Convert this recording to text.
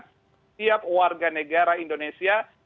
setiap warga negara indonesia